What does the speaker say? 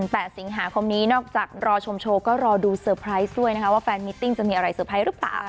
๘สิงหาคมนี้นอกจากรอชมโชว์ก็รอดูเซอร์ไพรส์ด้วยนะคะว่าแฟนมิตติ้งจะมีอะไรเตอร์ไพรสหรือเปล่า